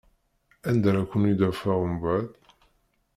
Anda ara ken-id-afeɣ umbeɛd?